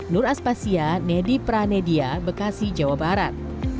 nur aspasya nedi pranedia bekasi jawa barat